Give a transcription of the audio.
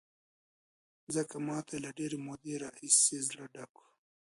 ځکه ما ته یې له ډېرې مودې راهیسې زړه ډک و.